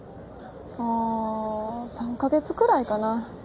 ああ３カ月くらいかな。